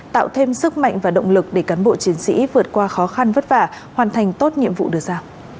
tạo thêm sức mạnh và động lực để cán bộ chiến sĩ vượt qua khó khăn vất vả hoàn thành tốt nhiệm vụ được ra